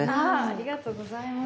ありがとうございます。